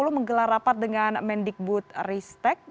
menggelar rapat dengan mendikbud ristek